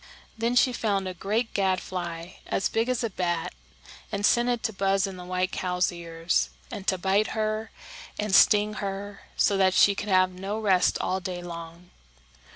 Then she found a great gadfly, as big as a bat, and sent it to buzz in the white cow's ears, and to bite her and sting her so that she could have no rest all day long.